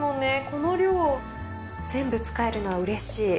この量全部使えるのはうれしい。